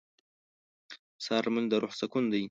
• د سهار لمونځ د روح سکون دی.